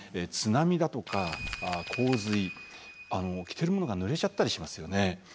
津波だとか洪水着てるものがぬれちゃったりしますよね。